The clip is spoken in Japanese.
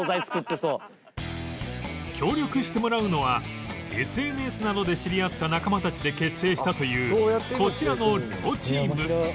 協力してもらうのは ＳＮＳ などで知り合った仲間たちで結成したというこちらの両チーム